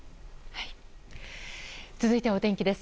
続いてはお天気です。